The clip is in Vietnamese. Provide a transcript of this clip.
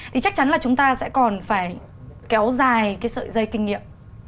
thì chắc chắn là chúng ta sẽ còn phải kéo dài cái sợi dây kinh nghiệm